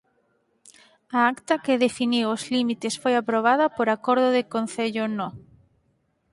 A acta que definiu os límites foi aprobada por acordo de concello No.